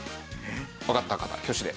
わかった方挙手で。